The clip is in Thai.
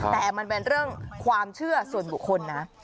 แต่มันเป็นเรื่องความเชื่อส่วนบุคคลนะ